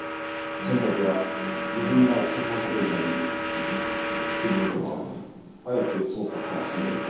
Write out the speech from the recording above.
忖度や余分な臆測を避けるために刑事部長はあえて捜査から外れると？